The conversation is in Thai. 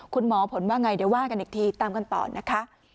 คุณหมอผลว่าไงเดี๋ยวว่ากันอีกทีตามกันต่อนะคะ